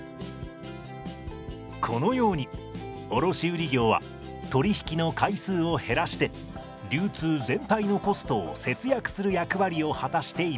このように卸売業は取り引きの回数を減らして流通全体のコストを節約する役割を果たしています。